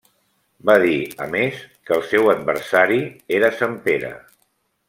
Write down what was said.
Va dir, a més, que el seu adversari era Sant Pere.